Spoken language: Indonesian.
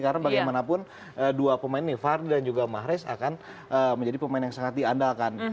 karena bagaimanapun dua pemain ini vardy dan juga mahrez akan menjadi pemain yang sangat diandalkan